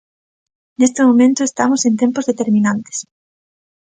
Neste momento estamos en tempos determinantes.